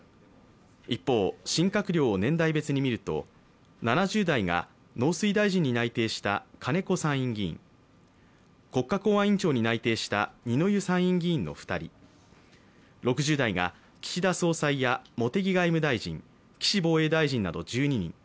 一方、新閣僚を年代別に見ると７０代が農水大臣に内定した金子参院議員、国家公安委員長に内定した二ノ湯参議院議員の２人６０代が岸田総裁や茂木外務大臣、岸防衛大臣など１２人。